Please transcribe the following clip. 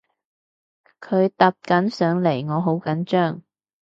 佢搭緊上嚟我好緊張